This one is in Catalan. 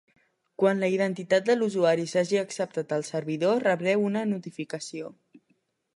Quan la identitat de l'usuari s'hagi acceptat al servidor, rebreu una notificació.